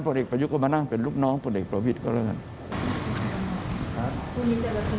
เด็กประยุทธ์ก็มานั่งเป็นลูกน้องพลเอกประวิทย์ก็แล้วกัน